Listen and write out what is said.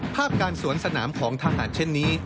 ภาพการสวนสนามของทหารเช่นนี้